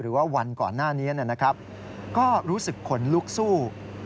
หรือว่าวันก่อนหน้านี้นะครับก็รู้สึกขนลุกสู้